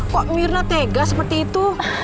kok mirna tega seperti itu